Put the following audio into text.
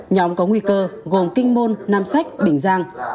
nhóm có nguy cơ gồm kinh môn nam sách bình giang